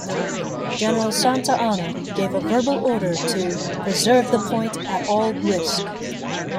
General Santa Anna gave a verbal order to "preserve the point at all risk".